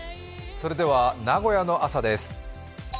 それでは名古屋の朝です。